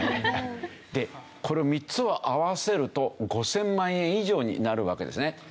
これ３つを合わせると５０００万円以上になるわけですね。